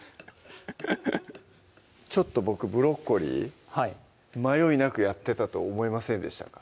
ちょっと僕ブロッコリー迷いなくやってたと思いませんでしたか？